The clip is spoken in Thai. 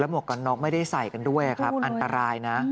หวกกันน็อกไม่ได้ใส่กันด้วยครับอันตรายนะ